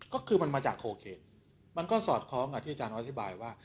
ก็คือมันมาจากโคเคนมันก็สอดคล้องกับที่อาจารย์อธิบายว่า